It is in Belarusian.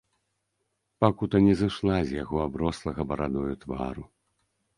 Пакута не зышла з яго аброслага барадою твару.